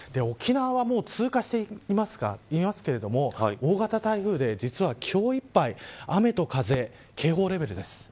沖縄はもう通過していますけれども大型台風で実は、今日いっぱい雨と風、警報レベルです。